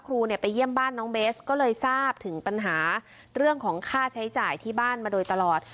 ไปเยี่ยมบ้านน้องเบสก็เลยทราบถึงปัญหาเรื่องของค่าใช้จ่ายที่บ้านมาโดยตลอด